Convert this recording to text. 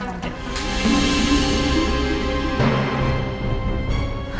kebetulan banget ya